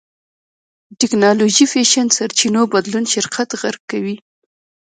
ټېکنالوژي فېشن سرچينو بدلون شرکت غرق کوي.